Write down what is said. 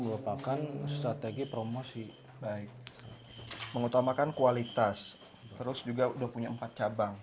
merupakan strategi promosi baik mengutamakan kualitas terus juga udah punya empat cabang